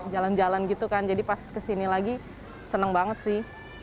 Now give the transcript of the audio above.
jalan jalan gitu kan jadi pas kesini lagi seneng banget sih